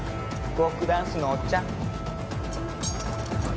フォークダンスのおっちゃん。